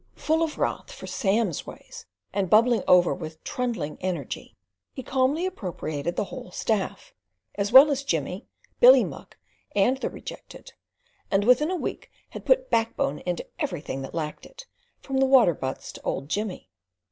Full of wrath for Sam's ways, and bubbling over with trundling energy, he calmly appropriated the whole staff, as well as Jimmy, Billy Muck, and the rejected, and within a week had put backbone into everything that lacked it, from the water butts to old Jimmy.